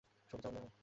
সরে যাও, মেয়ার!